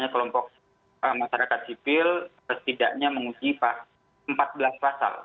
kelompok masyarakat sipil setidaknya menguji empat belas pasal